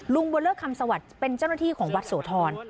บนเลิกคำสวัสดิ์เป็นเจ้าหน้าที่ของวัดโสธร